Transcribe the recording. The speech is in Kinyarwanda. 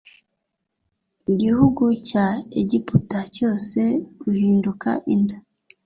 Gihugu cya egiputa cyose uhinduka inda